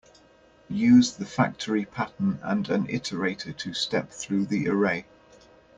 Use the factory pattern and an iterator to step through the array.